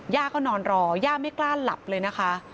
ย่าก็นอนรอย่าไม่กล้าหลับเลยนะคะ